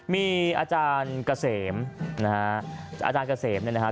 มีอาจารย์เกษมนะฮะอาจารย์เกษมเนี่ยนะฮะ